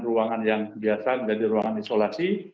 ruangan yang biasa menjadi ruangan isolasi